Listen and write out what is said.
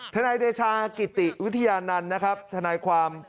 นายเดชากิติวิทยานันต์นะครับทนายความ